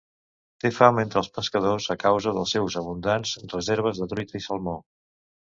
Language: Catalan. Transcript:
Té fama entre els pescadors a causa dels seus abundants reserves de truita i salmó.